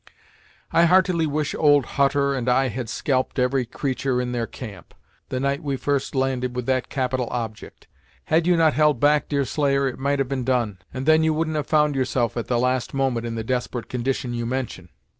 "I heartily wish old Hutter and I had scalped every creatur' in their camp, the night we first landed with that capital object! Had you not held back, Deerslayer, it might have been done, and then you wouldn't have found yourself, at the last moment, in the desperate condition you mention."